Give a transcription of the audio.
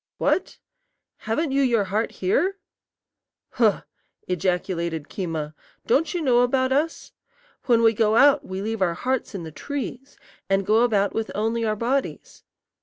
"What? haven't you your heart here?" "Huh!" ejaculated Keema; "don't you know about us? When we go out we leave our hearts in the trees, and go about with only our bodies.